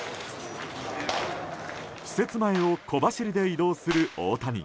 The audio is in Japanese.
施設前を小走りで移動する大谷。